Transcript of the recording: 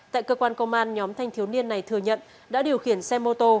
tại cơ quan công an nhóm thanh thiếu niên này thừa nhận đã điều khiển xe mô tô